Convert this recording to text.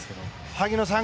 萩野さん